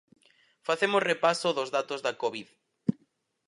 Facemos repaso dos datos da Covid.